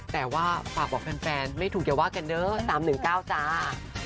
แต่ว่าฝากบอกแฟนไม่ถูกอย่าว่ากันเด้อ๓๑๙จ้า